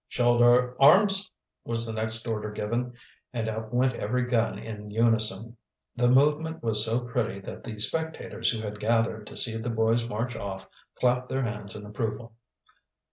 "Shoulder arms!" was the next order given, and up went every gun in unison. The movement was so pretty that the spectators who had gathered to see the boys march off clapped their hands in approval.